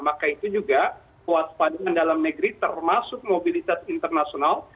maka itu juga kewaspadaan dalam negeri termasuk mobilitas internasional